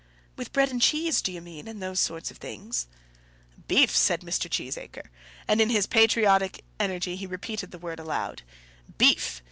"With bread and cheese, do you mean, and those sort of things?" "Beef!" said Mr. Cheesacre, and in his patriotic energy he repeated the word aloud. "Beef!